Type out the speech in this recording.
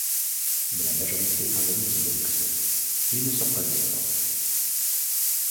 Mais la majorité invalide son élection, et il ne se représente pas.